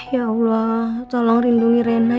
ya allah tolong rindungi rena